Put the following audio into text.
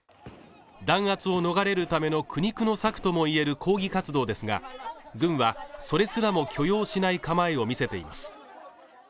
弾圧を逃れるための苦肉の策ともいえる抗議活動ですが軍はそれすらも許容しない構えを見せています